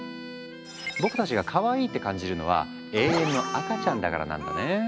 僕たちがかわいいって感じるのは「永遠の赤ちゃん」だからなんだね。